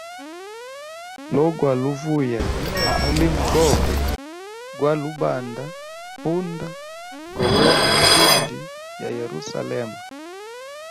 Lo gwali uvuya mulimo gobe gwali ubanda punda gowena mwibundi ya Yerusalema.